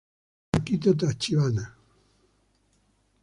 Akito Tachibana